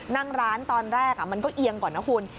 นั่งร้านตอนแรกมันก็เอียงก่อนนะคุณ